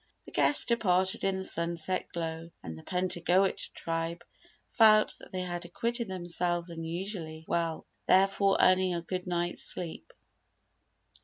The guests departed in the sunset glow and the Pentagoet Tribe felt that they had acquitted themselves unusually well, thereby earning a good night's sleep.